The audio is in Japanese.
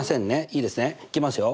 いいですねいきますよ。